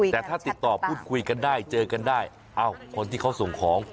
แต่ถ้าติดต่อพูดคุยกันได้เจอกันได้เอ้าคนที่เขาส่งของ